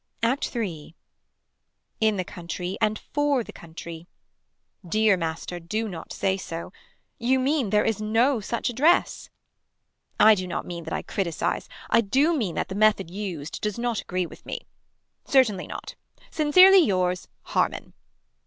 Act 3. In the country and for the country. Dear Master. Do not say so. You mean there is no such address. I do not mean that I criticize. I do mean that the method used does not agree with me. Certainly not. Sincerely yours. Harmon.